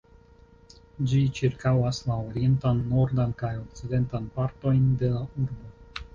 Ĝi ĉirkaŭas la orientan, nordan, kaj okcidentan partojn de la urbo.